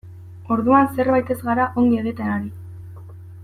Orduan zerbait ez gara ongi egiten ari.